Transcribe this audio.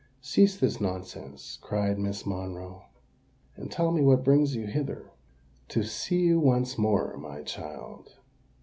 "Cease this nonsense," cried Miss Monroe; "and tell me what brings you hither." "To see you once more, my child."